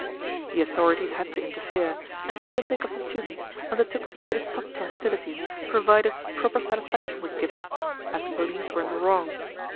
The authorities had to interfere, and the syndic of the students undertook to put a stop to hostilities provided proper satisfaction was given, as the police were in the wrong.